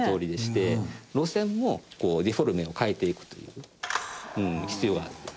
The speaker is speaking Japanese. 路線もデフォルメを変えていくという必要があった。